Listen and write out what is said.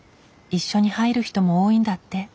一緒に入る人も多いんだって。